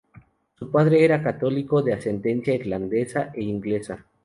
Su padre era católico de ascendencia irlandesa e inglesa.